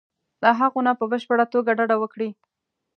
له هغو نه په بشپړه توګه ډډه وکړي.